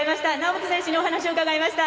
猶本選手にお話を伺いました。